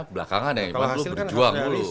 belakangan ya emang lu berjuang dulu